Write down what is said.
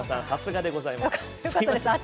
さすがでございます。